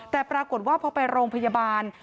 แต่ปรากฏว่าพอไปโรงพยาบาล